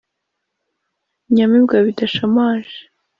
inyamibwa bidashamaje,